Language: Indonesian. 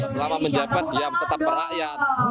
selama menjabat dia tetap rakyat